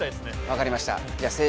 わかりました。